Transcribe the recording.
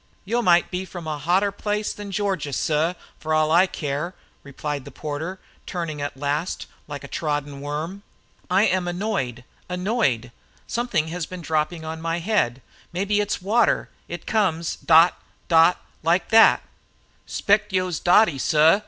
"Yo mought be from a hotter place than Georgia, suh, fer all I care," replied the porter, turning at the last, like a trodden worm. "I am annoyed, annoyed. Something has been dropping on my head. Maybe it's water. It comes dot, dot, like that." "Spect yo'se dotty, suh!"